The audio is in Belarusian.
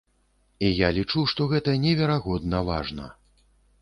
І я лічу, што гэта неверагодна важна.